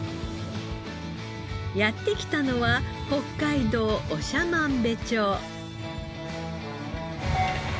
やって来たのは北海道長万部町。